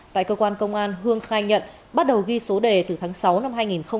tại cơ quan công an hương khai nhận bắt đầu ghi số đề từ tháng sáu năm hai nghìn hai mươi ba